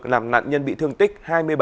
làm nạn nhân bị thương tích hai mươi bảy